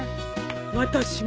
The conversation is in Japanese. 私も。